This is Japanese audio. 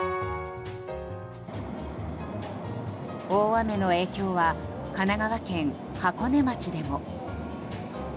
大雨の影響は神奈川県箱根町でも。